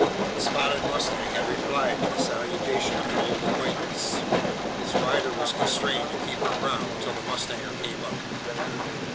The spotted mustang had replied to the salutation of an old acquaintance. Its rider was constrained to keep her ground, till the mustanger came up.